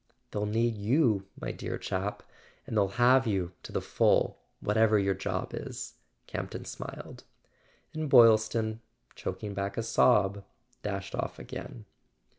"They'll need you , my dear chap; and they'll have you, to the full, whatever your job is," Campton smiled; and Boylston, choking back a sob, dashed off again.